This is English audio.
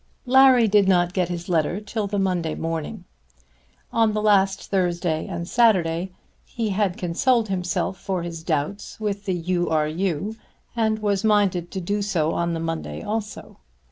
Larry did not get his letter till the Monday morning. On the last Thursday and Saturday he had consoled himself for his doubts with the U. R. U., and was minded to do so on the Monday also.